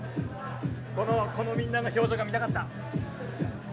このみんなの表情が見たかった。